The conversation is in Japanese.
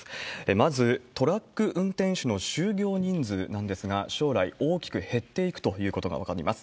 まず、トラック運転手の就業人数なんですが、将来大きく減っていくということが分かります。